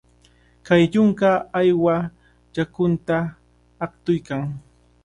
Kay yunka uywa qallunta aqtuykan.